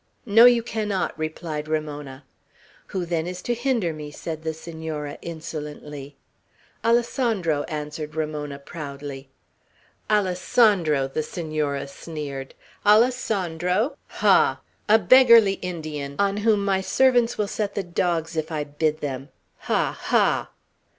"No, you cannot!" replied Ramona. "Who, then, is to hinder me." said the Senora, insolently. "Alessandro!" answered Ramona, proudly. "Alessandro!" the Senora sneered. "Alessandro! Ha! a beggarly Indian, on whom my servants will set the dogs, if I bid them! Ha, ha!"